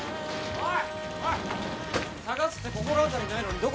おい！